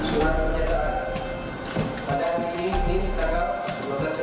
satuan yarnal poli